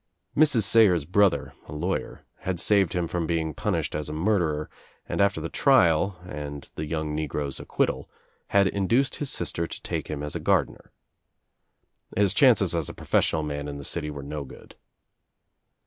Mrs. Sayers' brother, a lawyer, had saved him from being punished as a murderer and after the trial, and the young negro's acquittal, had induced his sister to talte him as gardener. His chances as a professional man in the city were no good.